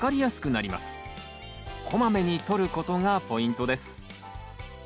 こまめにとることがポイントです。